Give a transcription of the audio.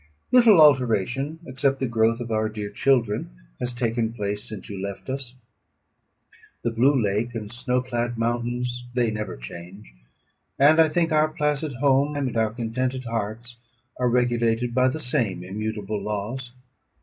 "Little alteration, except the growth of our dear children, has taken place since you left us. The blue lake, and snow clad mountains, they never change; and I think our placid home, and our contented hearts are regulated by the same immutable laws.